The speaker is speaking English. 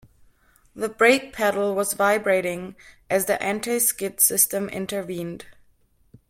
The brake pedal was vibrating as the anti-skid system intervened.